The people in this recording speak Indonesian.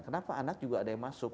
kenapa anak juga ada yang masuk